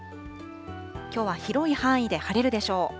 きょうは広い範囲で晴れるでしょう。